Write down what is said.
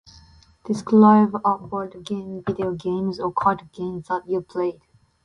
Describe a board game, video games, or card games that you've played.